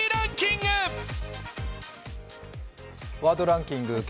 ワードランキング